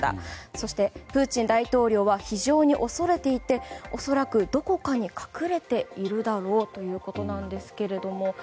そして、プーチン大統領は非常に恐れていて恐らく、どこかに隠れているだろうということなんですけれども。